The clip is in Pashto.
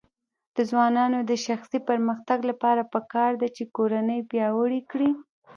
د ځوانانو د شخصي پرمختګ لپاره پکار ده چې کورنۍ پیاوړې کړي.